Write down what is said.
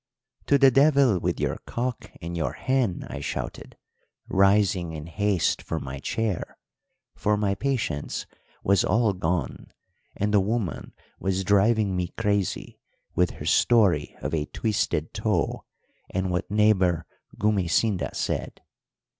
"'To the devil with your cock and your hen!' I shouted, rising in haste from my chair, for my patience was all gone and the woman was driving me crazy with her story of a twisted toe and what neighbour Gumesinda said.